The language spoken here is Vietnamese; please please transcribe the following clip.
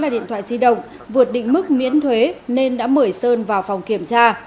hai điện thoại di động vượt định mức miễn thuế nên đã mở sơn vào phòng kiểm tra